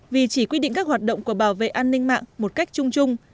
vì chỉ quy định các hoạt động của bảo vệ an ninh mạng một cách chung chung